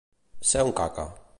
Ser una caca.